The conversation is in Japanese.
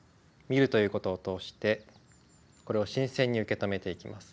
見るということを通してこれを新鮮に受け止めていきます。